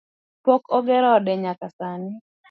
Pok ogero ode nyaka sani